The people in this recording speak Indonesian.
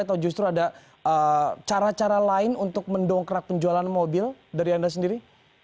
atau justru ada cara cara lain untuk mendongkrak penjualan mobil dari anda sendiri